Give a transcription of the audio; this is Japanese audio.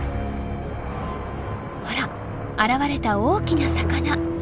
ほら現れた大きな魚。